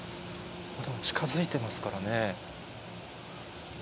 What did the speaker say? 近づいてますからね。